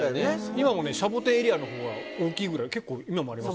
今もシャボテンエリアのほうが大きいぐらい、今もあります。